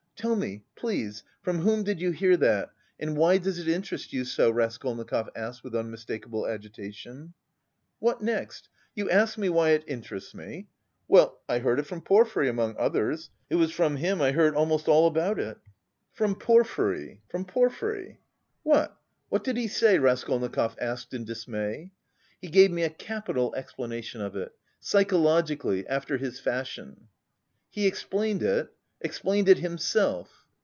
"Tell me, please, from whom did you hear that, and why does it interest you so?" Raskolnikov asked with unmistakable agitation. "What next? You ask me why it interests me!... Well, I heard it from Porfiry, among others... It was from him I heard almost all about it." "From Porfiry?" "From Porfiry." "What... what did he say?" Raskolnikov asked in dismay. "He gave me a capital explanation of it. Psychologically, after his fashion." "He explained it? Explained it himself?"